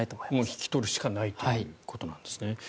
引き取るしかないということなんですね。